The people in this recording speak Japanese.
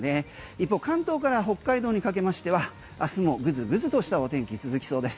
一方関東から北海道にかけましては明日もグズグズとしたお天気続きそうです。